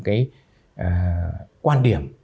cái quan điểm